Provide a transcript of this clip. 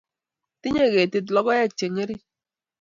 Tinyei ketit logoek che ngering